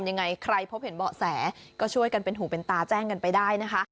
ยังไงใครพบเห็นเบาะแสก็ช่วยกันเป็นหูเป็นตาแจ้งกันไปได้นะคะ